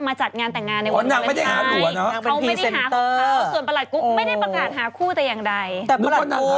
มาจัดงานแต่งงานในวันวุฒาไทย